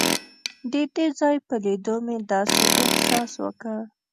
د دې ځای په لیدو مې داسې احساس وکړ.